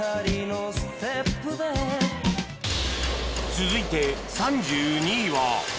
続いて３２位は